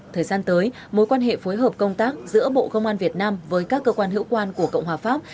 thời gian tới mối quan hệ phối hợp công tác giữa bộ công an việt nam với các cơ quan hữu quan của cộng hòa pháp